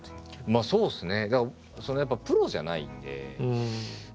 まあそうっすね。